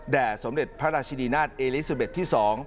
สมเด็จพระราชินีนาฏเอลิซูเบ็ดที่๒